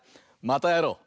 またやろう！